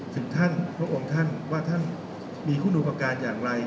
ถึงท่านพระองค์ท่านว่าท่านมีคุณอุปการณ์อย่างไร